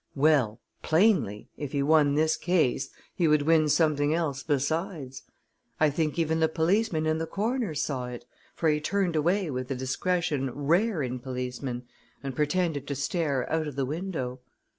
Well, plainly, if he won this case he would win something else besides. I think even the policeman in the corner saw it, for he turned away with a discretion rare in policemen, and pretended to stare out of the window.